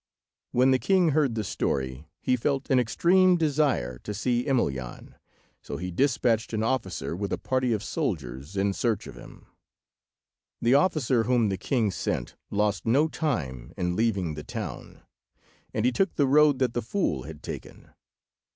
When the king heard the story he felt an extreme desire to see Emelyan, so he despatched an officer with a party of soldiers in search of him. The officer whom the king sent lost no time in leaving the town, and he took the road that the fool had taken.